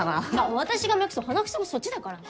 私が目クソ鼻クソはそっちだからね。